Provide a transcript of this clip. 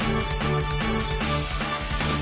พิเศฏและทุกคน